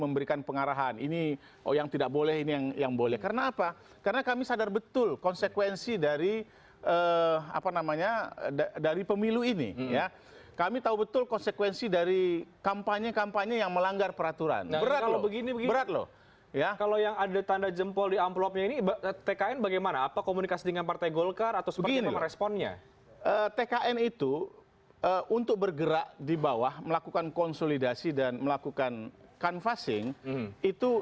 bagaimana kemudian membuktikan itu